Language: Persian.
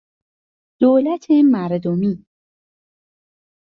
دولت مردمی